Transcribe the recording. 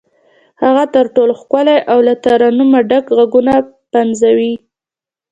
هغه تر ټولو ښکلي او له ترنمه ډک غږونه پنځوي.